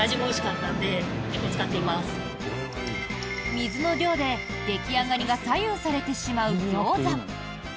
水の量で、出来上がりが左右されてしまうギョーザ。